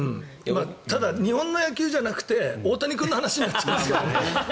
ただ日本の野球じゃなくて大谷君の話になっちゃうんだけど。